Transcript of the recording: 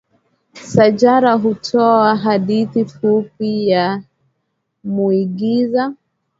shajara hutoa hadithi fupi ya muigiza